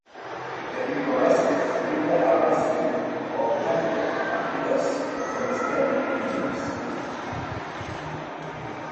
The inflorescence, either a raceme or panicle, appears from the stem between the leaves.